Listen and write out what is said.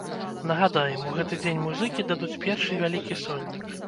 Нагадаем, у гэты дзень музыкі дадуць першы вялікі сольнік.